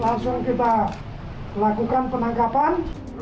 langsung kita melakukan penangkapan